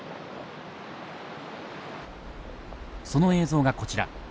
その映像がこちら。